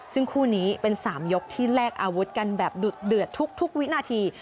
ซึ่งคู่นี้เป็น๓ยกที่แลกอาวุธกันแบบดุดเดือดทุกวินาที